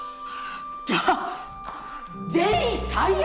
じゃあ全員採用！